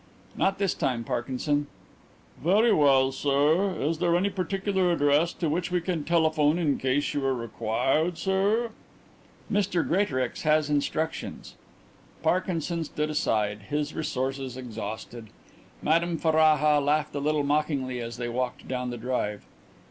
"Not this time, Parkinson." "Very well, sir. Is there any particular address to which we can telephone in case you are required, sir?" "Mr Greatorex has instructions." Parkinson stood aside, his resources exhausted. Madame Ferraja laughed a little mockingly as they walked down the drive.